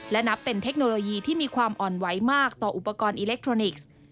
และนับเป็นเทคโนโลยีที่มีความอ่อนไหวมากต่ออุปกรณ์อิเล็กทรอนิกส์